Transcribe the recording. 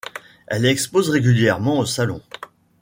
Elle expose régulièrement aux Salons.